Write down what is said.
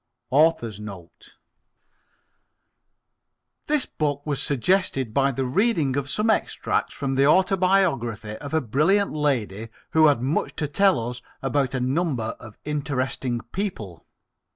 AUTHOR'S NOTE This book was suggested by the reading of some extracts from the autobiography of a brilliant lady who had much to tell us about a number of interesting people.